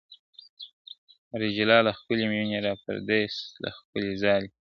را جلا له خپلي مېني را پردېس له خپلي ځالي ,